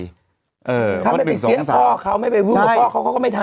เขาไม่ไปเสียงพ่อเขาไม่ไปพูดว่าพ่อเขาก็ไม่ทำ